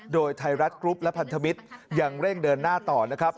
โดยไทยรัฐกรุ๊ปและพันธมิตรยังเร่งเดินหน้าต่อนะครับ